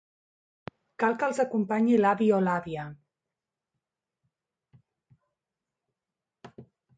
Cal que els acompanyi l'avi o l'àvia.